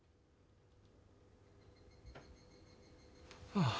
ああ。